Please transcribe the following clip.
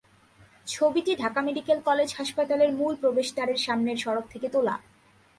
ছবিটি Dhaka medical college হাসপাতালের মূল প্রবেশ দ্বারের সামনের সড়ক থেকে তোলা।